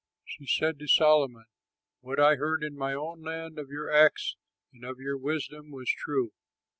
She said to Solomon, "What I heard in my own land of your acts and of your wisdom was true.